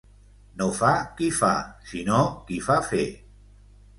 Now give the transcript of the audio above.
No fa qui fa, sinó qui fa fer.